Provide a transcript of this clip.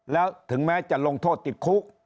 แล้วถึงแม้จะลงโทษติดคุก